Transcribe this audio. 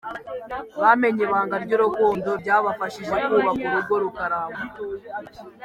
Bamenye ibanga ry’urukundo rya bafashije kubaka urugo rukaramba….